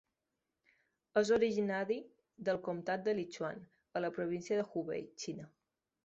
És originari del comtat de Lichuan a la província de Hubei, Xina.